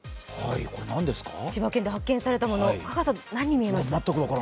千葉県で発見されたもの、何に見えますか？